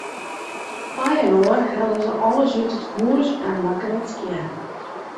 Mei-inoar hellen se alles út it hús en makken it skjin.